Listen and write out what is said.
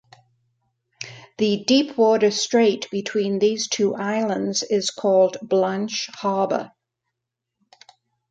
The deep water strait between these two islands is called Blanche Harbor.